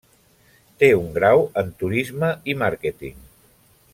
Té un grau en Turisme i Màrqueting.